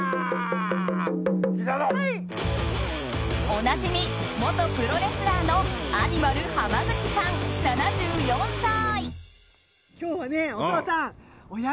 おなじみ、元プロレスラーのアニマル浜口さん、７４歳。